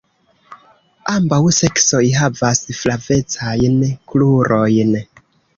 Ambaŭ seksoj havas flavecajn krurojn.